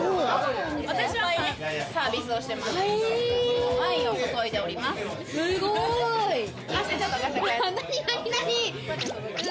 私はサービスをしてます。